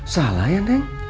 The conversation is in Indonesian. salah ya neng